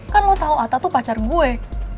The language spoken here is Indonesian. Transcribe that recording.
kan lo tau atta tuh pacar gue